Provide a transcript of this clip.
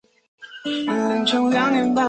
杂金蛛为园蛛科金蛛属的动物。